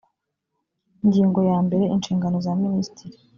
ingingo ya mbere inshingano za minisitiri